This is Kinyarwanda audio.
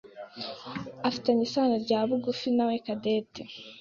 afitanye isano rya bugufi nawe Cadette.